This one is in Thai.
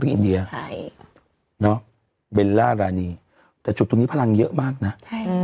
อินเดียใช่เนอะเบลล่ารานีแต่จุดตรงนี้พลังเยอะมากนะใช่อืม